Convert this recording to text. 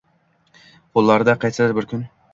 …Qo‘llarida qaysidir bir kun